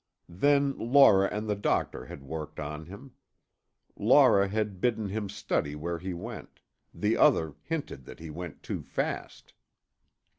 Then Laura and the doctor had worked on him. Laura had bidden him study where he went; the other hinted that he went too fast.